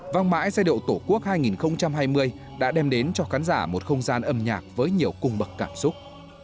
vang mãi giai độ tổ quốc hai nghìn hai mươi đã đem đến cho khán giả một không gian âm nhạc với nhiều cung bậc cảm xúc